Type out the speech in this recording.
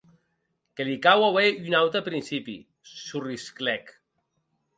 Que li cau auer un aute principi!, sorrisclèc.